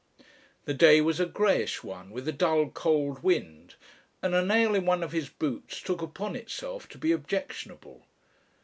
The day was a greyish one, with a dull cold wind, and a nail in one of his boots took upon itself to be objectionable.